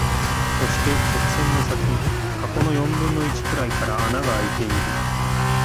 そして、直線の先、箱の四分の一くらいから穴が空いている。